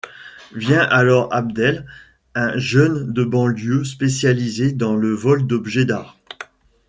Vient alors Abdel, un jeune de banlieue spécialisé dans le vol d'objet d'art.